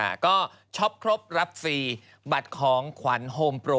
ค่ะก็ช็อปครบรับฟรีบัตรของขวัญโฮมโปร